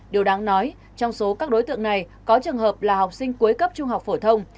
điều đáng nói trong số các đối tượng này có trường hợp là học sinh cuối cấp trung học phổ thông